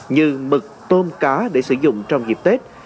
như mực tôm cá để sử dụng trong dịp tết